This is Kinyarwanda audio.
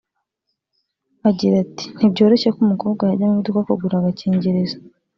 Agira ati "Ntibyoroshye ko umukobwa yajya mu iduka kugura agakingirizo